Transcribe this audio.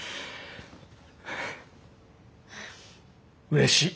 うれしい。